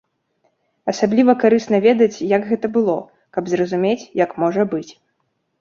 Асабліва карысна ведаць, як гэта было, каб зразумець, як можа быць.